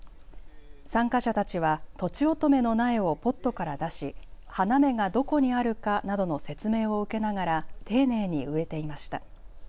参加者たちはとちおとめの苗をポットから出し花芽がどこにあるかなどの説明を受けながら丁寧に植えていました。